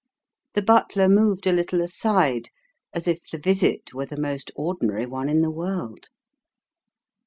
" The butler moved a little aside, as if the visit were the most ordinary one in the world.